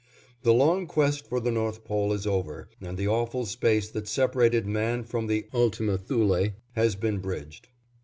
The long quest for the North Pole is over and the awful space that separated man from the Ultima Thule has been bridged.